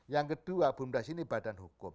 yang kedua bumdes ini badan hukum